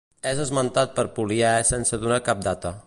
És esmentat per Poliè sense donar cap data.